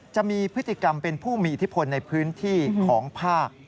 จะมีพฤติกรรมเป็นผู้มีอิทธิพลในพื้นที่ของภาค